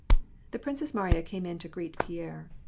The Princess Mariya came in to greet Pierre.